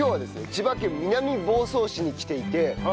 千葉県南房総市に来ていて。